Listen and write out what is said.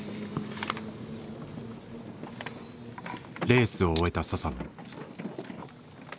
レースを終えた佐々野。